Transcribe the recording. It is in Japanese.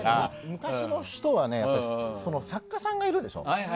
昔の人は作家さんがいるでしょ。